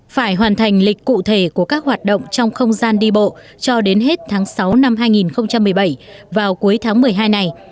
phải hoàn thành lịch cụ thể của các hoạt động trong không gian đi bộ cho đến hết tháng sáu năm hai nghìn một mươi bảy vào cuối tháng một mươi hai này